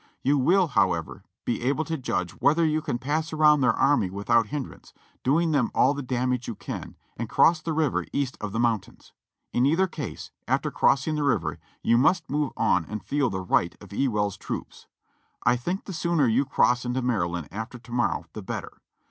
You will, however, be able to judge whether you can pass around their army without hindrance, doing them all the damage you can, and cross the river east of the moun tains. In either case, after crossing the river you must move on and feel the right of Ewell's troops. "I think the sooner you cross into Maryland after to niorrozv the better.